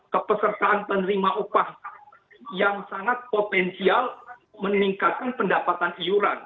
kepesertaan penerima upah yang sangat potensial meningkatkan pendapatan iuran